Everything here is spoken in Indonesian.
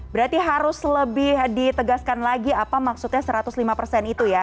berarti harus lebih ditegaskan lagi apa maksudnya satu ratus lima itu ya